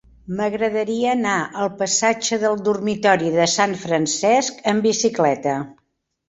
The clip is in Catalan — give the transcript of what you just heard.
M'agradaria anar al passatge del Dormitori de Sant Francesc amb bicicleta.